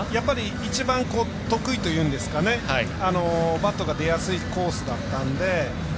一番得意といいますかバット出やすいコースだったので。